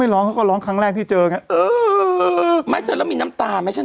ไปนี่คาวบอยที่ไหนอ่อ